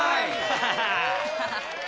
ハハハ！